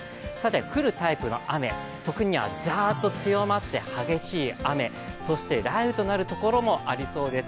降るタイプの雨、時にはざーっと強まって激しい雨、雷雨となるところもありそうです。